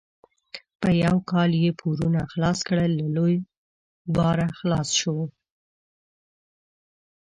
په یو کال یې پورونه خلاص کړل؛ له لوی باره خلاص شو.